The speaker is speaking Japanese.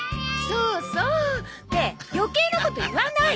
そうそう。って余計なこと言わない。